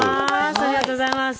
ありがとうございます。